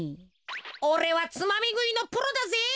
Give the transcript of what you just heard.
おれはつまみぐいのプロだぜ。